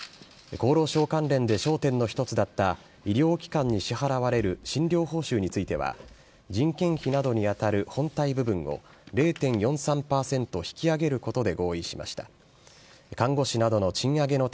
厚労省関連で焦点の一つだった、医療機関に支払われる診療報酬については、人件費などに当たる本体部分を０．４３％引き上げることで合意しました。